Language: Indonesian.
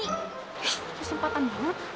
ih kesempatan banget